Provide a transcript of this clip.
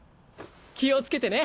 気をつけてね。